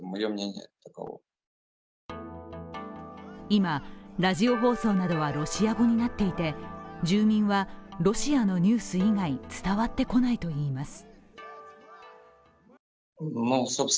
今、ラジオ放送などはロシア語になっていて、住民は、ロシアのニュース以外伝わってこないといいます。